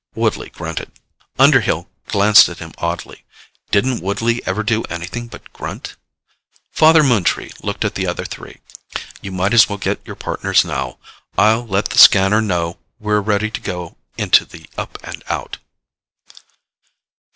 Woodley grunted. Underhill glanced at him oddly. Didn't Woodley ever do anything but grunt? Father Moontree looked at the other three. "You might as well get your Partners now. I'll let the Scanner know we're ready to go into the Up and Out."